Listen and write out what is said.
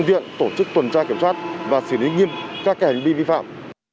hiện tổ chức tuần tra kiểm soát và xử lý nghiêm các hành vi vi phạm